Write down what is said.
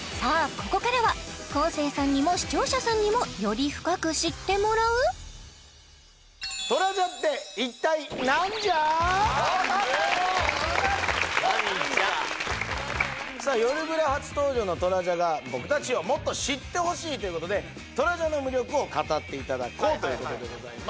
ここからは昴生さんにも視聴者さんにも「よるブラ」初登場のトラジャが「僕たちをもっと知ってほしい」ということでトラジャの魅力を語っていただこうということでございます